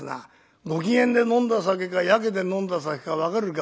「ご機嫌で飲んだ酒かやけで飲んだ酒か分かるか？